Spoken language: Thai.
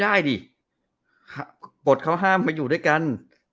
ได้ดิบทเขาห้ามมาอยู่ด้วยกัน